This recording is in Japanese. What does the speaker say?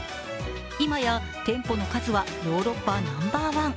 今や店舗の数はヨーロッパナンバーワン。